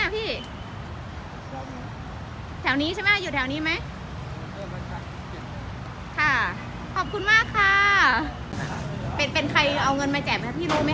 เขาบอกไหมคะว่าเป็นของใครคนที่มีใจบุญมาแจกเราครั้งนี้